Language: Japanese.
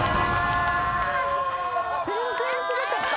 全然違かった。